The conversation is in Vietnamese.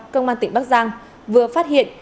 công an tỉnh bắc giang vừa phát hiện